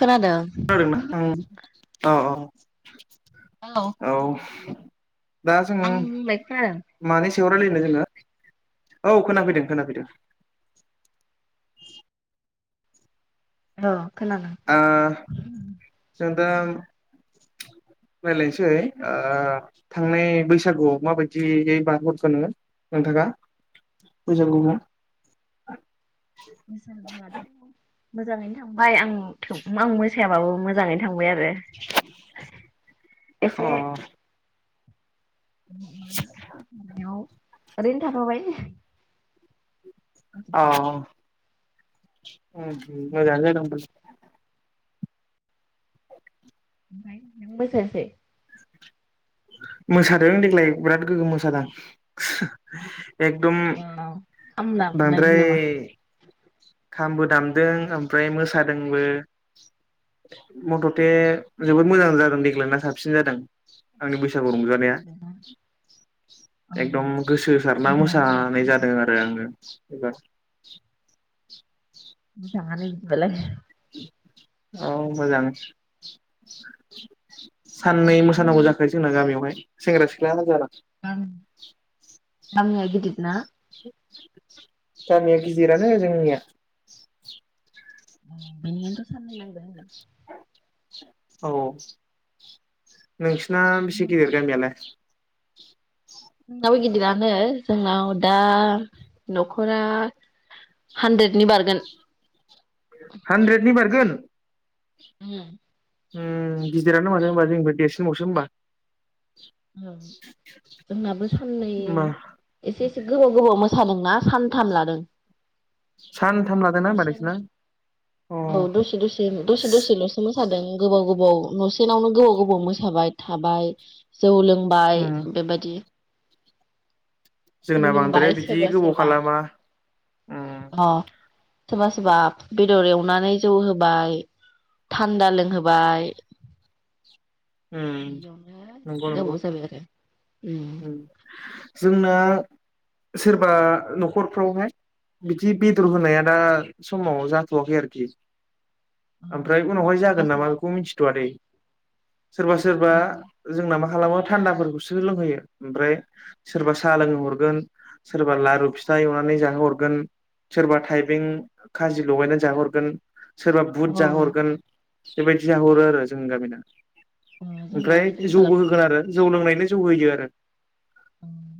खोनादों खोनादों ना अह औ अह औ खोनादों दा जों आं बुंनाय खोनादों मानि स सिङाव रायलायनो जोङो औ खोनाफैदों खोनफैदों। औ खोनादों ओ जों दा रायलायनोसै ओ थांनाय बैसागुआव माबायदियै बारहोहरखो नोङो नोंथाङा बैसागुखौ? बैसागुआथ' मोजाङैनो थां बाय आं थेव आं मोस सायाबाबो मोजाङैनो थां बाय आरो अ एसे ओरैनो थाफाबाय [unintelligible] उम उम मोजाङानो जादों होनबालाय। ओमफ्राय नों बोसोरसे मोसादों देग्लाय बिराद गोग्गोम मोसादों। एकदम खामला बुलायदों बांद्राय नामा खामबो दामदों ओमफ्राय मोसादोंबो मथ'थे जोबोद मोजां जादों देग्लायना साबसिन जादों। आंनि बै सागु रंजानाया एकदम गोसो होसारना मोसानाय जादों आरो आङो। एबार मोजाङानो इदिबालाय। औ मोजां। साननै मोसानांगौ जाखायो जोंना गामियावहाय। सेंग्रा सिख्ला जाना गामिआ गिदिरना? गामिया गिदिरानो जोंनिया। बेनिखायनोथ' साननै नांदों आरो। औ नों ना बेसे गिदिर जोंनाबो गामियालाय? जोंनाबो गिदिरानो जोंनाव दा न'खरा हानद्रेदनि बारगोन। हानद्रेदनि बारगोन? उम उम गिदिरानो माथो होमबा जोंनिफ्आयर देरसिनबावसो होमबा। औ जोंनाबो साननै मा एसे गोबाव गोबाव मोसादोंना सानथाम लादों। सानथाम लादोंना होमबा नोंसिना अ औ दसे दसे दसे दसेल'सो मोसादों गोबाव गोबाव न'सेनावनो गोबाव गोबाव मोसाबाय थाबाय। जौ लोंबाय उम बेबायदि जौ जोंना बांद्राय लोंबाय बिदि सोरबा गोबाव सोरबा खालामा उम। अ सोरबा सोरबा बेदर एवनानै जौ होबाय थान्दा लोंहोबाय। उम बियावनो नंगौ नंगौ गोबाव जाबाय आरो। उम जोंना सोरबा न'खरफ्रावहाय बिदि बेदर होनाया दा समाव जाथ'वाखै आरोखि। औ ओमफ्राय जोंनाव उनावहाय सोरबा जागोन नामा सोरबा बेखौ मिथिथ'वादै। सोरबा सोरबा अ जोंना मा मालाबा थान्दाफोरखौसो लोंहोयो। ओमफ्राय सोरबा साहा लोंहरगोन सोरबा लारु फिथा एवनानै जाहोहरगोन सोरबा थाइबें खाजि लगायनानै जाहोहरगोन। सोरबा अ बुद जाहरगोन बेबायदि जाहोहरो आरो जोंनि गामिना जोंहा ओमफ्राय बिदिनो जौबो होगोन आरो जौ लोंनायनो जौ होयो आरो उम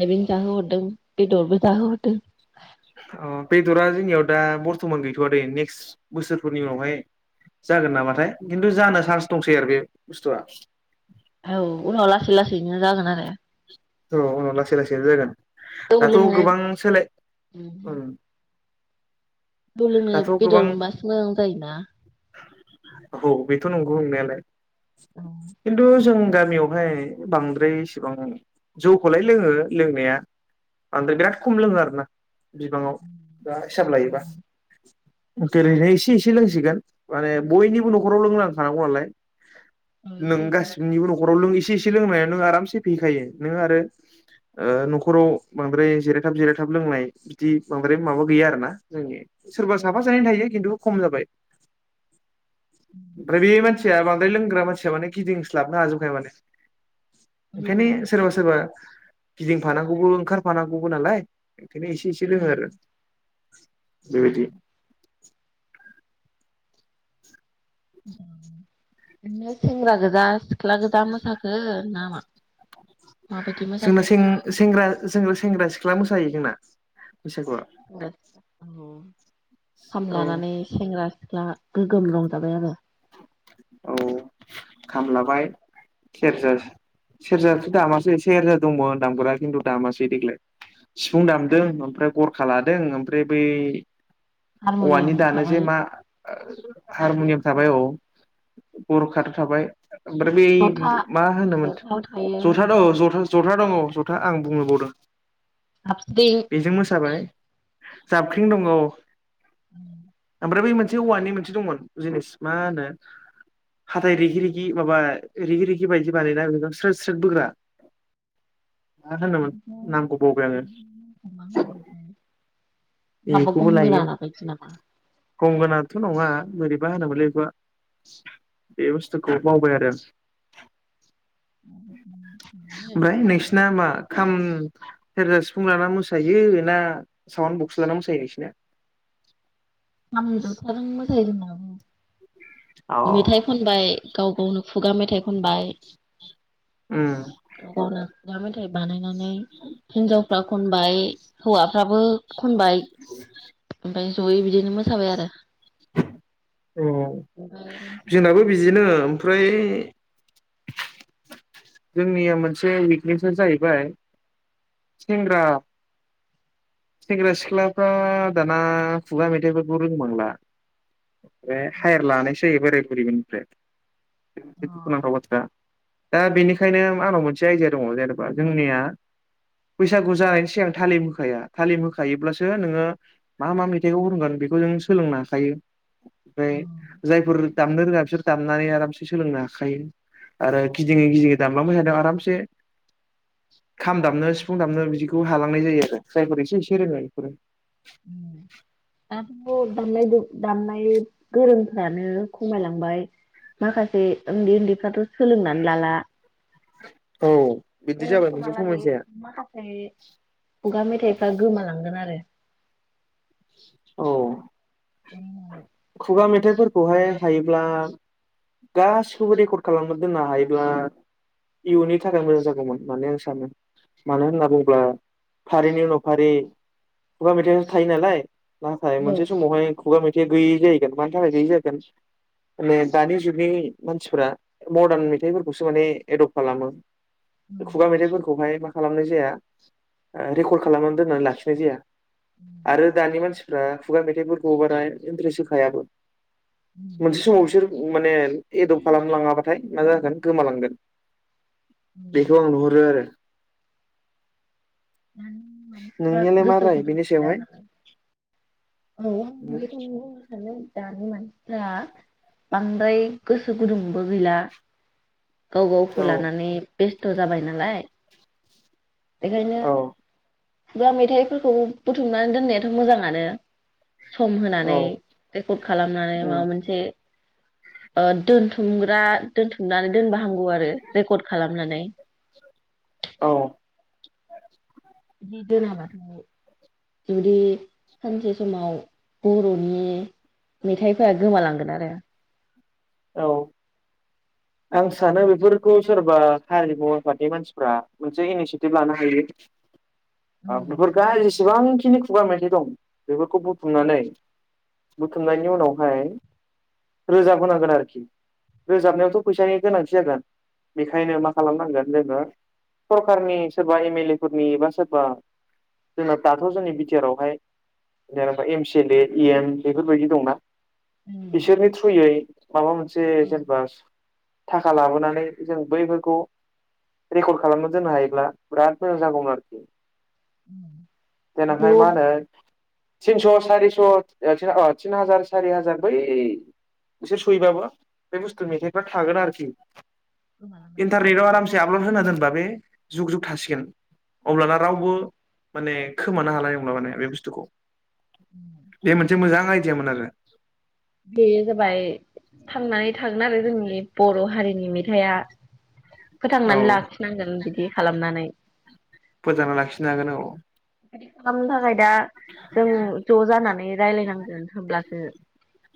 थायबें जाहो हरदों बेद'रबो जाहो हरदों। अ बेदरा जोंनियाव दा बर्थ'मान गैथ'वा दे नेक्स्ट बोसोरफोरनि उनावहाय जागोन नामाथाय खिन्थु जानो चान्स दंसै आरो बे बुस्थुआ औ उनाव लासै लासैनो जागोन आरो औ उनाव लासै लासैनो जागोन जौ दाथ' लोंनो गोबां सोलाय जौ लोंनो दाथ' बेदर गोबां मोनबासो मोजां जायोना? औ बेथ' नंगौ नंनायालाय खिन्थु जों गामियावहाय बांद्राय इसेबां जौखौलाय लोङो लोंनाया बांद्राय बिराद खम लोङो आरोना बिबाङाव बा हिसाब लायोबा ओरैनो एसे एसे लोंसिगोन माने बयनिबो न'खराव लोंलांखानांगौ नालाय औ नों एसे एसे गासिनिबो न'खराव लोङै एसे एसे लोंनायाव नों आरामसे फेखायो नों आरो न'खराव बांद्राय जिरायथाब जिरायथाब लोंनाय बिदि बांद्राय माबा गैया आरो ना जोंनिया सोरबा औ साफा सानै थायो खिन्थु खम जाबाय बे मानसिया बांद्राय लोंग्रा मानसिया माने गिदिंस्लाबनो हाजोबखाय माने ओंखायनो सोरबा सोरबा गिदिंफानांगौबो ओंखारफानांगौबो नालाय ओंखायनो एसे एसे लोङो आरो बेबायदि नोंनियाव सेवराज गोजा सिख्ला गोजा मोसाखो नामा माबायदि मोसाखो जोंनिथिं सेंग्रा जों सेंग्रा सिख्ला मोसायो जोंना बैसागुआ खाम औ लानानै सेंग्रा सिख्ला गोगोम रंजाबाय आरो औ खाम लाबाय सेरजा सेरजाथ' दामासै सेरजा दंमोन होन दामगुरा खिन्थु दामासै देग्लाय। सिफुं दामदों ओमफ्राय गरखा लादों। नों ओमफ्राय बे हारमनियाम औवानि दानो जे थाबाय मा हारमुनियाम गरखा थाबाय औ। गरखाथ' थाबाय। ओमफ्राय बै जथा मा होनोमोन जथायाव थायो जथा दङ जथा जथा दङ। जथा आं बुंनो बावदों। जाबस्रिं बेजों मोसाबाय जाबख्रिं दङ। उम। ओमफ्राय बै मोनसे औवानि मोनसे दंमोन जिनिस मा होनो? हाथाइ रिगि रिगि माबा रिगि रिगि बायदि बानायना बेखौ स्रोद स्रोद बोग्रा। मा होनोमोन नामखौ बावबाय आङो [unintelligible] माबा बेखौबो गंगोना लायो, बायदि नामा? गंगोना थ' नङा बोरैबा होनोमोनलै बेखौहा बे बुस्थुखौ बावबाय आरो आं। आमफ्राय नोंसिना मा? खाम, सेरजा, सिफुं लाना मोसायो ना साउन्ड ब बक्स लाना मोसायो नोंसिना? खाम, जथाजों मो सायो जोंनाबो। मेथाइ खनबाय गाव गावनो खुगा मेथाइ खनबाय उम गाव गावनो। गा मेथाइ बानाय नानै हिन्जावफ्रा खनबाय हौवाफ्राबो खनबाय फाय जयै बिदिनो मोसाबाय आरो। अह ओमफ्राय जोंनाबो मोसाखांनानै बिदिनो ओमफ्राय जोंनिया मोनसे विकनेसा जायैबाय सेंग्रा, सेंग्रा सिख्लाफ्रा दाना खुगा मेथाइफोरखौ रोंबांला। बे हायार लानायसै बोरै [unintelligible] [unintelligible] दुखु नांथाव अ बाथ्रा। दा बेनि खायनो आंनाव मोनसे आयडिया दङ जेनेबा जोंनिया बैसागु जानायनि सिगां थालिम होखाया थालिम होखायोब्लासो नोङो मा मा मेथाइखौ खनगोन बेखौ जों सोलोंनो हाखायो। फ्राय उम जायफोर दामनो रोङा बिसोर दामनानै आरामसे सोलोंनो हाखायो आरो गिदिङै गिदिङै दामलांबायथादों आरामसे खाम दामनो सिफुं दामनो बिदिखौ हालांनाय जायो आरो जायफोर एसे एसे रोङो बेफोरो। [unintelligible] दामनायदो दामनाय गोरोंफ्रानो खमायलांबाय माखासे उन्दै उन्दैफ्राथ' सोलोंनानै लाला। औ। बिदि ओ जाबाय मोनसे समालागै समयसाया माखासे खुगा मेथाइफ्रा गोमालांगोन आरो। औ। खुगा मेथाइफोरा। खौहाय हायोब्ला गासिखौबो रेकर्ड खालामना दोननो हायोब्ला इयुननि थाखाय मोजां जागौमोन होननानै आं सानो मानो होनना बुङोब्ला फारिनि उनाव फारि खुगा मेथाइयासो थायो नालाय। नाथाय औ मोनसे समावहाय। खुगा मेथाइ गैयै जायैगोन मानि थाखाय गैयै जागोन माने दानि जुगनि मानसिफ्रा मदार्न मेथाइफोरखौसो माने एदप्ट खालामो खुगा मेथाइफोरखौहाय मा खालामनाय जाया ओ रेकर्ड खालामनानै दोननानै लाखिनाय जाया आरो। दानि मानसिफ्रा खुगा मेथाइफोरखौ बारा इन्ट्रेस्ट होखायाबो मोनसे समाव बिसोर माने एदप्ट खालामलाङाबाथाय मा जागोन गोमालांगोन बेखौ आं नुहरो आरो। दानि नोंनियालाय मारै बिनिसायावहाय? [unintelligible] दा बांद्राय गोसो गुदुंबो गैला। गाव गावखौ औ लानानै बेस्थ जाबाय नालाय बेखायनो औ खुबा मेथाइफोरखौबो बुथुमनानै दोननायाथ मोजाङानो। सम औ होनानै रेकर्ड खालामनानै माबा मोनसे ओ दोनथुमग्रा दोनथुमनानै दोनबा हामगौ आरो रेकर्ड खालामनानै। औ बिदि दोनाबाथ जुदि सानसे समाव बरनि मेथाइफोरा गोमालांगोन आरो। औ आं सानो बेफोरखौ सोरबा हारिमु आफादनि मानसिफ्रा मोनसे इनिसियेटिभ लानो हायो। उम लानो [unintelligible] हायो जेसेबांखिनि खुगा मेथाय दं बेफोरखौ बुथुमनानै बुथुमनायनि उनावहाय रोजाब होनांगोन आरोखि रोजाबनायावथ फैसानि गोनांथि जागोन बेखायनो मा खालामनांगोन जोङो सरखारनि सोरबा एम एल ए फोरनि बा सोरबा जोंना दाथ जोंनि बिटिआर आवहाय जेनेबा M C L A EM बेफोरबायदि दंना उम बिसोरनि थ्रुयै माबा मोनसे औ जेनेबा थाखा लाबोनानै जों बैफोरखौ रेकर्ड खालामना दोननो हायोब्ला बिराद मोजां जागौमोन आरोखि। उम देनांहाय बेखौ माहोनो तिनस सारिस थिन हाजार सारि हाजार बै एसे सहैबाबो बे बुस्थु मेथाइ फोरा थागोन आरोखि। गोमालांनाय इन्टारनेटाव आरामसे नङा आपलड होना दोन। बा बे जुग जुग थासिगोन। अब्लाना रावबो माने। खोमानो हानाय नंला माने बे बुस्थुखौ। बे मोनसे मोजां। आयदियामोन आरो। बे जाबाय थांनानै थागोन आरो जोंनि। बे बर' हारिनि मेथाइआ। औ फोथांनानै लाखिनांगोन बिदि खालामनानै। फोथांना लाखिनो हागोन औ। [unintelligible] दा जों ज जानानै रायलायनांगोन होनब्लासो।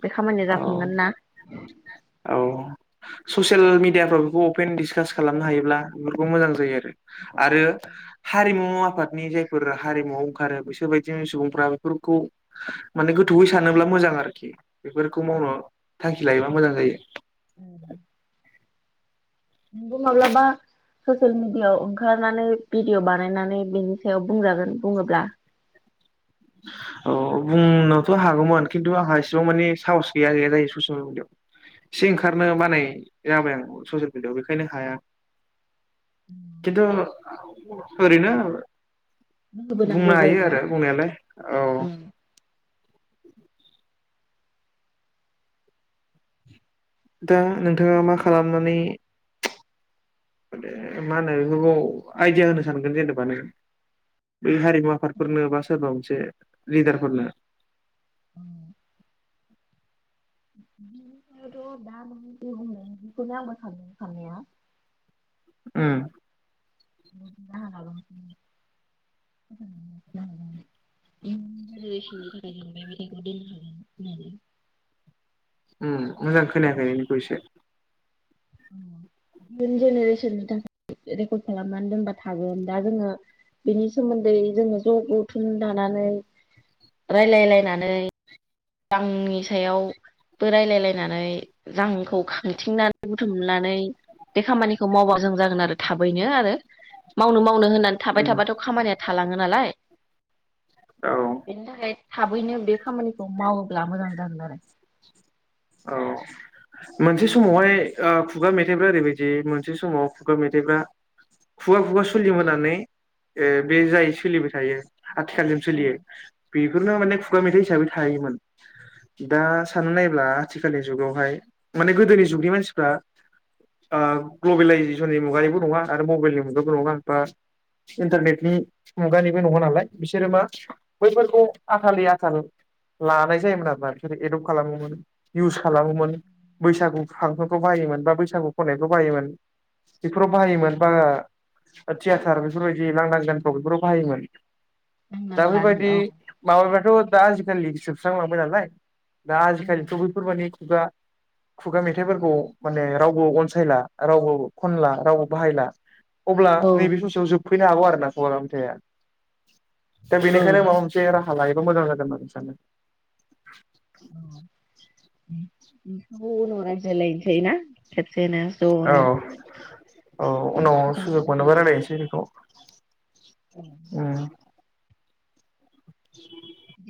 बे खामानिया जाफुंगोन ना। औ ससियेल मिडियाफ्राव बेखौ अपेन डिसकास खालामनो हायोब्ला बेफोरखौ मोजां जायो आरो। आरो हारिमुु आफादनि जायफोर हारिमुआव ओंखारो बिसोर बायदिनि सुबुंफ्रा बेफोरखौ माने गोथौयै सानोब्ला मोजां आरोखि बेफोरखौ मावनो थांखि लायोबा मोजां जायो। नोंबो माब्लाबा ससियेल मिडियाआव ओंखारनानै भिडिअ बानायनानै बेनि सायाव बुंजागोन बुङोब्ला। औ बुंनोथ' हागौमोन खिन्थु आंहा इसेबां मानि साहस गैया गैया जायो ससियेल मिडियाआव एसे ओंखारनो बानाय जाबाय आं ससियेल मिडियाआव बेखायनो हाया खिन्थु ओरैनो बुंनो हायो आरो बुंनायालाय। औ ओम। [inaudible] दा नोंथाङा मा खालामनानै [unintelligible] आइदिया होनो सानगोन जेनेबा नों। बै हारिमु आफादफोरनो बा सोरबा मोनसे लिदारफोरनो। ओम। [inaudible] बिफ्रायथ' दा नों जि होनदों बिखौनो आंबो सानदों साननाया। उम। [unintelligible] ओम मोजां खोनायाखै इनिखौ एसे। इउन जेनेरेसेननि थाखाय रेकर्ड खालामनानै दोनबा थागोन दा जोङो बेनि सोमोन्दै जोङो ज' गौथुन दानानै रायलायलायनानै। आंनि सायावबो रायलायलायनानै। जांखौ थिंना बुथुमनानै बे खामानिखौ मावबा मोजां जागोन आरो थाबैनो आरो मावनो मावनो होननानै थाबाय उम थाबाथ' खामानिया थालाङो नालाय औ बेनि थाखाय थाबैनो बे खामानि मावोब्ला मोजां जागोन आरो औ मोनसे समावहाय ओ खुगा मेथाइफ्रा ओरैबायदि मोनसे समाव खुगा मेथाइफ्रा खुगा खुगा सोलिबोनानै ओ बे जाय सोलिबाय थायो आथिखालसिम सोलियो बेफोरनो माने खुगा मेथाइ हिसाबै थायोमोन दा साननो नायब्ला आथिखालनि जुगावहाय माने गोदोनि जुगनि मानसिफ्रा ओ ग्लबेलाइजेसननि मुगानिबो नङा आरो मबाइलनि मुगाबो नङा बा इन्टारनेटनि मुगानिबो नङा नालाय बिसोरो मा बैफोरखौ आथाललि आथाल लानाय जायोमोन आरोना बिसोरो एदपट खालामोमोन निउस खालामोमोन बैसागु खां फ्राव बाहायोमोन बा बैसागु खनायफ्राव बाहायोमोन बेफोराव बाहायोमोन बा थियाटार बेफोरबायदि लांदां गानफ्राव बेफोराव बाहायोमोन दा मावनांगोन बेबायदि औ माबायोबाथ ' दा आजिखालि जोबस्रांलांबाय नालाय दा [unintelligible] बैफोर माने खुगा खुगा मेथाइफोरखौ माने रावबो अनसायला रावबो खनला रावबो बाहायला अब्ला औ नैबे समसेयाव जोब फैनो हागौ आरोना खुगा मेथाइआ थाया दा बेनिखायनो माबा मोनसे रा हा लायोबा मोजां जागोन होनना सानो। बिसोरखौ थायोना औ औ उनाव मानसिफोरजों सुजुग लोगो मोननोबा लानानै रायलायनोसै बेखौ औ उम [inaudible]